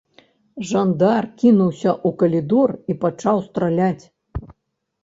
Жандар кінуўся ў калідор і пачаў страляць.